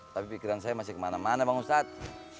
tapi pikiran saya masih kemana mana bang ustadz